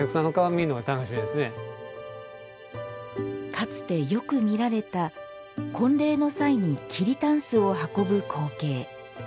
かつてよく見られた婚礼の際に桐たんすを運ぶ光景。